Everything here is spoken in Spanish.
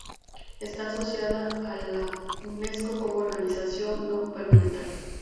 Está asociada a la Unesco como organización no gubernamental.